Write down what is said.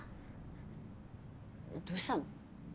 どうしたの？